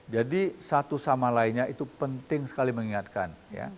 jadi satu sama lainnya itu penting sekali mengingatkan